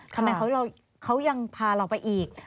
ทำไมเขายังพาเราไปอีก